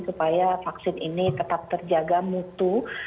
supaya vaksin ini tetap terjaga mutu